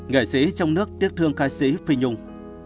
nghệ sĩ trong nước tiếc thương ca sĩ phi nhung